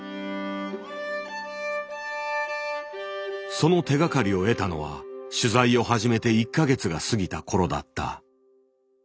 その手がかりを得たのは取材を始めて１か月が過ぎた頃だった。